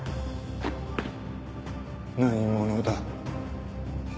何者だ？